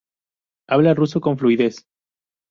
Habla ruso con fluidez.